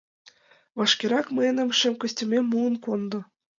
Вашкерак мыйын шем костюмем муын кондо.